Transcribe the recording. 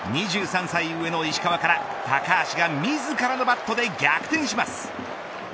２３歳上の石川から高橋が自らのバットで逆転します。